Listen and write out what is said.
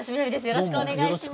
よろしくお願いします。